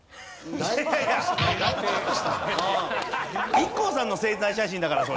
ＩＫＫＯさんの宣材写真だからそれ。